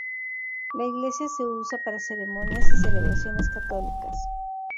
La iglesia se usa para ceremonias y celebraciones católicas.